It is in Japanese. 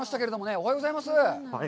おはようございます。